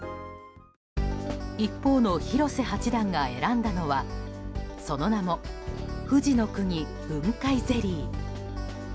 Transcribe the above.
一方の広瀬八段が選んだのはその名も富士のくに雲海ゼリー。